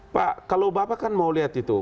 pak kalau bapak kan mau lihat itu